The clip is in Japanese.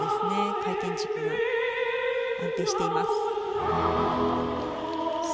回転軸も安定しています。